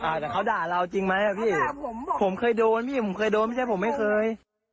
แต่เขาด่าเราจริงไหมอ่ะพี่ผมเคยโดนพี่ผมเคยโดนไม่ใช่ผมไม่เคย